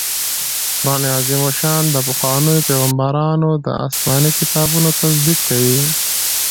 قرآن عظيم الشان د پخوانيو پيغمبرانو د اسماني کتابونو تصديق کوي